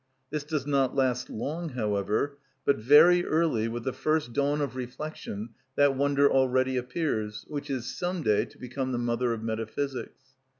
This does not last long however, but very early, with the first dawn of reflection, that wonder already appears, which is some day to become the mother of metaphysics.